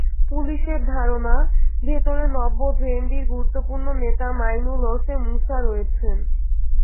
পুলিশের ধারণা, ভেতরে নব্য জেএমবির গুরুত্বপূর্ণ নেতা মাইনুল ওরফে মুসা রয়েছেন।